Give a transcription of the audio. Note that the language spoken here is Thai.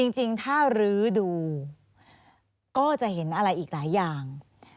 จริงถ้ารื้อดูก็จะเห็นอะไรอีกหลายอย่าง